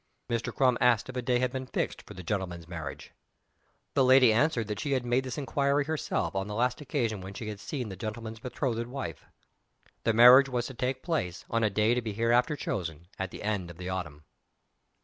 Mr. Crum asked if a day had been fixed for the gentleman's marriage. The lady answered that she had made this inquiry herself on the last occasion when she had seen the gentleman's betrothed wife. The marriage was to take place, on a day to be hereafter chosen, at the end of the autumn.